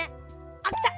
あっきた！